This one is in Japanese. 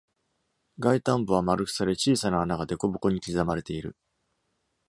外端部は丸くされ、小さな穴がでこぼこに刻まれている。